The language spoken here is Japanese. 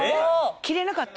着れなかった？